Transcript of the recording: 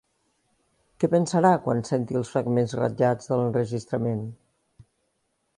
¿Què pensarà quan senti els fragments ratllats de l'enregistrament?